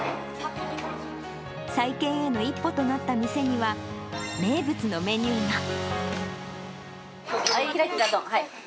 再建への一歩となった店には、名物のメニューが。